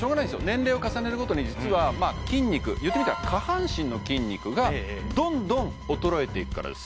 年齢を重ねるごとに実はまあ筋肉言ってみたら下半身の筋肉がどんどん衰えていくからです